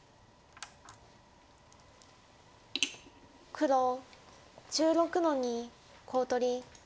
黒１６の二コウ取り。